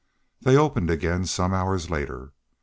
They opened again some hours later.